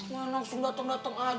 nah langsung dateng dateng aja